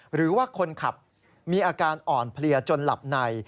หรือว่าคนขับมีอาการอ่อนเพลียจนหลับใน